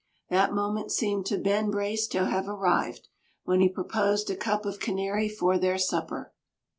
That moment seemed to Ben Brace to have arrived, when he proposed a cup of Canary for their supper.